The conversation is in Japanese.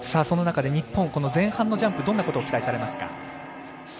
その中で日本前半のジャンプどんなことを期待されますか。